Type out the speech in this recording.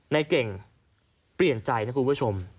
ในเก่งเปลี่ยนใจนะคุณผู้ชม